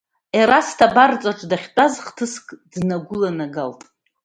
Ерасҭа абарҵаҿы дахьтәаз, хҭыск днагәыланагалт…